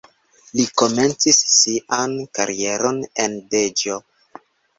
Li komencis sian karieron en Deĵo.